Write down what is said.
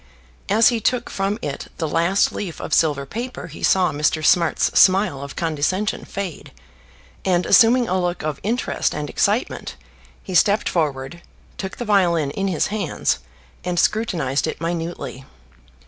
As he took from it the last leaf of silver paper he saw Mr. Smart's smile of condescension fade, and assuming a look of interest and excitement, he stepped forward, took the violin in his hands, and scrutinised it minutely.